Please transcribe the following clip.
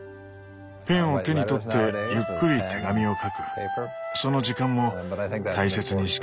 ペンを手に取ってゆっくり手紙を書くその時間も大切にしたいよね。